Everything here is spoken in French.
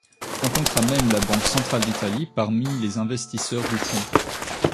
On comptera même la Banque centrale d'Italie parmi les investisseurs du fonds.